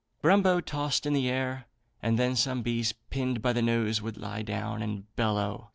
Grumbo tossed in the air, and then some beast pinned by the nose would lie down and bellow.